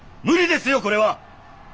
無理ですよこれは！